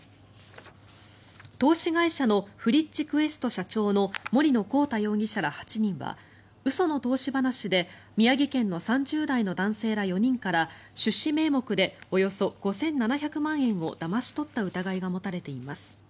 投資会社のフリッチクエスト社長の森野広太容疑者ら８人は嘘の投資話で宮城県の３０代の男性ら４人から出資名目でおよそ５７００万円をだまし取った疑いが持たれています。